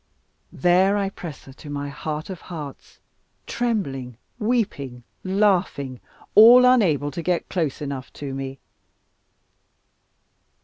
There I press her to my heart of hearts, trembling, weeping, laughing, all unable to get close enough to me.